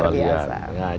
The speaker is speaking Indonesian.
wajar tanpa pemulihan